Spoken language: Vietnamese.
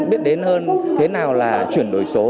biết đến hơn thế nào là chuyển đổi số